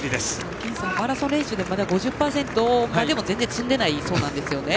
金さんマラソン練習でまだ５０％も全然積んでないそうですね。